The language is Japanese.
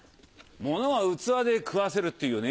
ものは器で食わせるっていうよね。